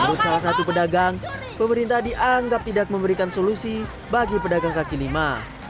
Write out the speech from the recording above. menurut salah satu pedagang pemerintah dianggap tidak memberikan solusi bagi pedagang kaki lima